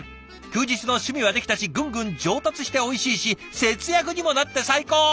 休日の趣味はできたしぐんぐん上達しておいしいし節約にもなって最高！